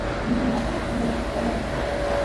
Mikunanpaq tiyaykita qayamuy.